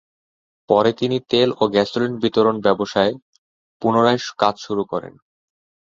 পরে তিনি তেল ও গ্যাসোলিন বিতরণ ব্যবসায় পুনরায় কাজ শুরু করেন।